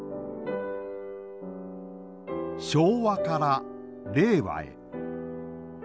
昭和から令和へ。